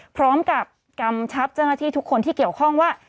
พร้อมกับกรรมชัพเจ้าหน้าที่ทุกคนที่เกี่ยวข้องว่า